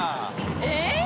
えっ！